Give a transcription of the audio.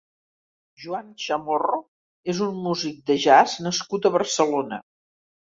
Joan Chamorro és un músic de Jazz nascut a Barcelona.